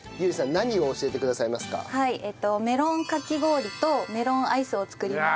メロンかき氷とメロンアイスを作ります。